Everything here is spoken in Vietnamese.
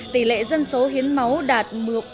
tỷ lệ dân số hiến máu đạt một một mươi hai